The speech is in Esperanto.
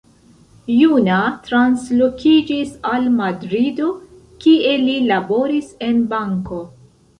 Juna translokiĝis al Madrido, kie li laboris en banko.